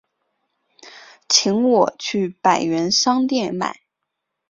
请我去百元商店买